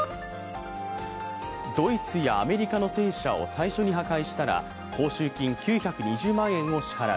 ドイツやアメリカの戦車を最初に破壊したら報酬金９２０万円を支払う。